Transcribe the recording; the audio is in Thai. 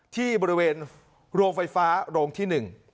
ที่บริเวณโรงไฟฟ้าโรงที่หนึ่ง